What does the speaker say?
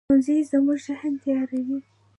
ښوونځی زموږ ذهن تیاروي